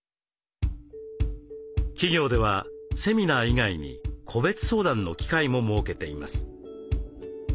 企業ではセミナー以外に個別相談の機会も設けています。